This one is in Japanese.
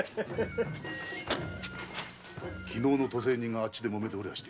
昨日の渡世人があっちでもめておりやす。